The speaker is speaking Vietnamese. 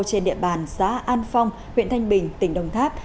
trên địa bàn xã an phong huyện thanh bình tỉnh đồng tháp